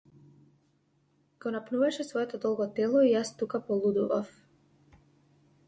Го напнуваше своето долго тело и јас тука полудував.